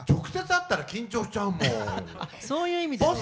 あっそういう意味でね。